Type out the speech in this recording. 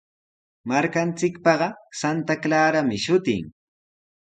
Markanchikpaqa Santa Clarami shutin.